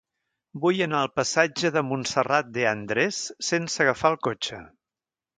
Vull anar al passatge de Montserrat de Andrés sense agafar el cotxe.